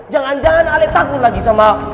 jangan jangan alih takut lagi sama